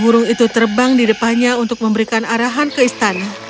burung itu terbang di depannya untuk memberikan arahan ke istana